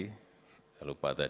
saya lupa tadi pak